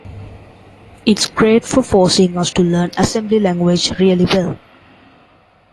It's great for forcing us to learn assembly language really well.